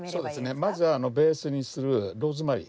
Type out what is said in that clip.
まずベースにするローズマリー